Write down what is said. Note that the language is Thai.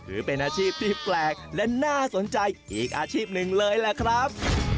ถือเป็นอาชีพที่แปลกและน่าสนใจอีกอาชีพหนึ่งเลยแหละครับ